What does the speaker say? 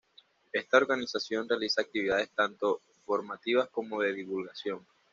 Esta organización realiza actividades tanto formativas como de divulgación.